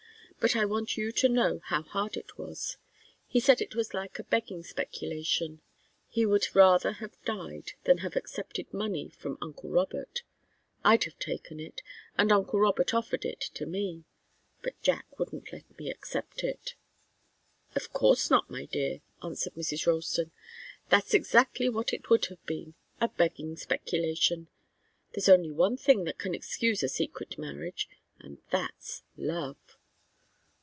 But I want you to know how hard it was. He said it was like a begging speculation. He would rather have died than have accepted money from uncle Robert. I'd have taken it, and uncle Robert offered it to me, but Jack wouldn't let me accept it." "Of course not, my dear," answered Mrs. Ralston. "That's exactly what it would have been a begging speculation. There's only one thing that can excuse a secret marriage, and that's love."